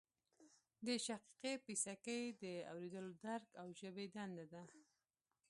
د شقیقې پیڅکی د اوریدلو درک او ژبې دنده لري